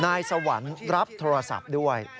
นายสวรรค์รับโทรศัพท์ด้วย